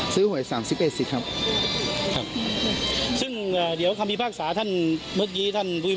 สืบคู่ซื้อหวยวันที่๓๑หรือ๒๗ครับ